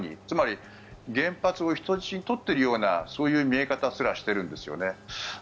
つまり原発を人質に取っているようなそういう見え方すらしているんですよね。